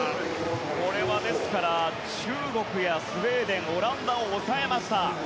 これは中国やスウェーデンオランダを抑えました。